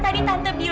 kamu itu anak lila